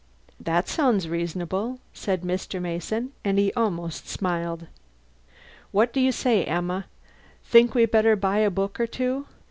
"That sounds reasonable," said Mr. Mason, and he almost smiled. "What do you say, Emma, think we better buy a book or two?